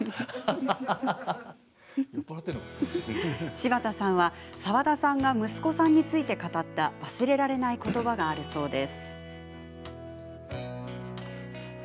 柴田さんは、澤田さんが息子さんについて語った忘れられないことばがあるそうです。